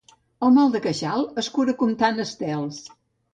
El mal de queixal es cura comptant els estels.